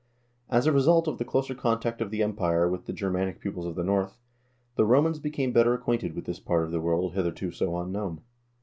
As a result of the closer contact of the Empire with the Germanic peoples of the North, the Romans became better acquainted with this part of the world hitherto so unknown.